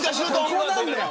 ここなんだよ。